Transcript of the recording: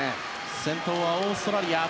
先頭はオーストラリア